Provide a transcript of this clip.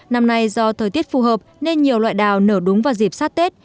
năm nay do thời tiết phù hợp nên nhiều loại đào nở đúng vào dịp sát tết